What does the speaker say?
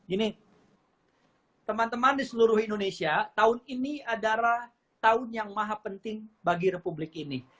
ini teman teman di seluruh indonesia tahun ini adalah tahun yang maha penting bagi republik ini